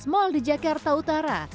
dua belas mal di jakarta utara